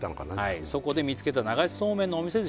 はい「そこで見つけた流しそうめんのお店で」